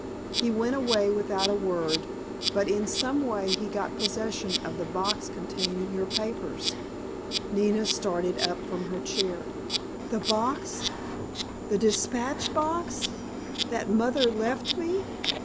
He went away without a word, but in some way he got possession of the box containing your papers——" Nina started up from her chair. "The box—the dispatch box—that Mother left me?"